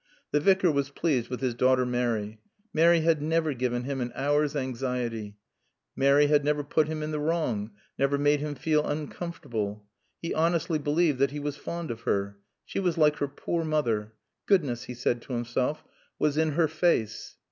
The Vicar was pleased with his daughter Mary. Mary had never given him an hour's anxiety. Mary had never put him in the wrong, never made him feel uncomfortable. He honestly believed that he was fond of her. She was like her poor mother. Goodness, he said to himself, was in her face.